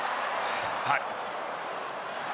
ファウル。